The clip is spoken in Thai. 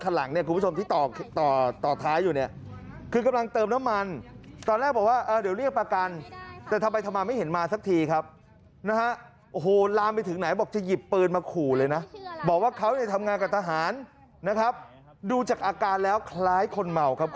หลายจ่ำสีพูดสิทธิ์ข่าวครับ